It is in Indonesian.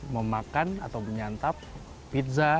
memakan atau menyantap pizza